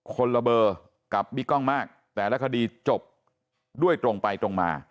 คนละเบอร์กับบิ๊กกล้องมากแต่ละคดีจบด้วยตรงไปตรงมา